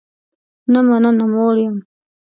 نه مننه، موړ یم